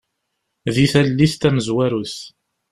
Di tallit tamezwarut.